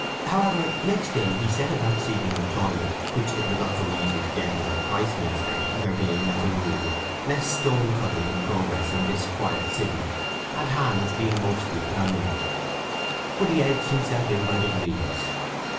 However, next day he set about seeking employment, which it was not so easy to get as at Christminster, there being, as a rule, less stone cutting in progress in this quiet city, and hands being mostly permanent. But he edged himself in by degrees.